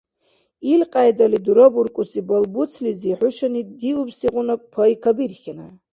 Илкьяйдали, дурабуркӀуси балбуцлизи хӀушани диубсигъуна пай кабирхьеная.